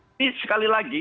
ini sekali lagi